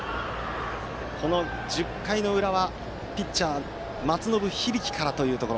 １０回の裏は、ピッチャー松延響からというところ。